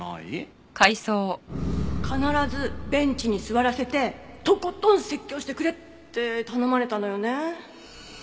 必ずベンチに座らせてとことん説教してくれって頼まれたのよね。